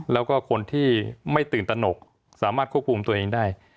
แล้วก็คนที่ไม่ตื่นตนกสามารถควบคุมตัวเองได้